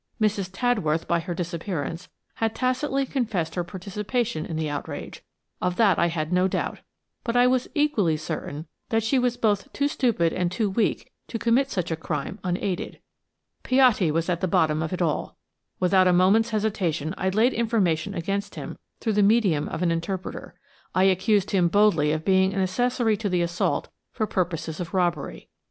Mrs. Tadworth, by her disappearance, had tacitly confessed her participation in the outrage, of that I had no doubt, but I was equally certain that she was both too stupid and too weak to commit such a crime unaided. Piatti was at the bottom of it all. Without a moment's hesitation I laid information against him through the medium of an interpreter. I accused him boldly of being an accessory to the assault for purposes of robbery.